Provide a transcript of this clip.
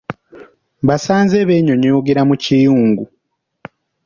Mbasanze beenyonyogerera mu kiyungu.